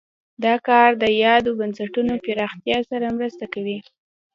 دا کار د یادو بنسټونو پراختیا سره مرسته کوي.